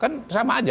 kan sama aja